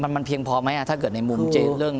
มันเพียงพอไหมถ้าเกิดในมุมเจนเรื่อง